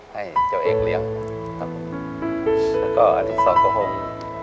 และอันนี้จะคง